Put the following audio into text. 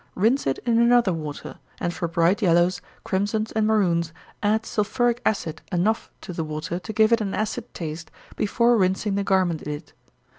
Rinse it in another water, and for bright yellows, crimsons, and maroons, add sulphuric acid enough to the water to give it an acid taste, before rinsing the garment in it.